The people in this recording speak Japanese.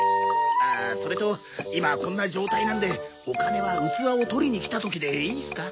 あっそれと今こんな状態なんでお金は器を取りに来た時でいいっすか？